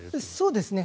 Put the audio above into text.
そうですね。